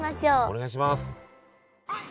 お願いします。